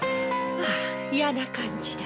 ああ嫌な感じだ。